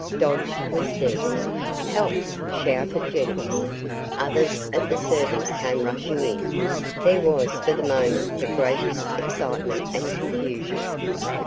Dodge was dead! "Help!" shouted Jennings. Others of the servants came rushing in. There was for the moment the greatest excitement and confusion.